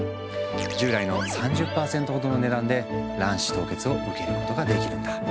従来の３０％ほどの値段で卵子凍結を受けることができるんだ。